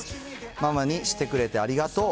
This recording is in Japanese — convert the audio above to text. ママにしてくれてありがとう。